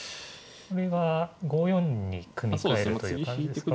これは５四に組み替えるという感じですか。